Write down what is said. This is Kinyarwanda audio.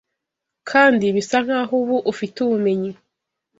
kandi bisa nkaho ubu ufite ubumenyi